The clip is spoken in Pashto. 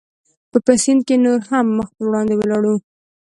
په سیند کې نور هم مخ پر وړاندې ولاړو.